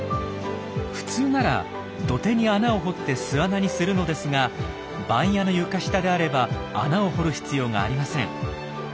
普通なら土手に穴を掘って巣穴にするのですが番屋の床下であれば穴を掘る必要がありません。